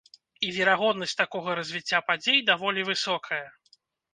І верагоднасць такога развіцця падзей даволі высокая.